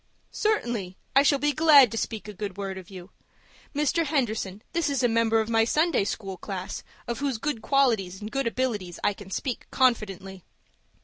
"Certainly, I shall be glad to speak a good word for you. Mr. Henderson, this is a member of my Sunday school class, of whose good qualities and good abilities I can speak confidently."